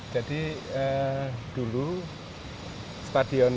jadi dulu stadion